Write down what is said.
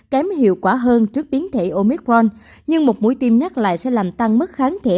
kém hiệu quả hơn trước biến thể omicron nhưng một mũi tiêm nhắc lại sẽ làm tăng mức kháng thể